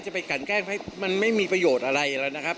ไปกันแกล้งให้มันไม่มีประโยชน์อะไรแล้วนะครับ